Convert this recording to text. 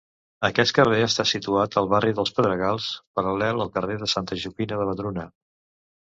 Aquest carrer està situat al barri dels Pedregals, paral·lel al carrer Santa Joaquima de Vedruna.